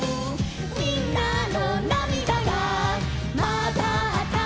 「みんなのなみだがまざったら」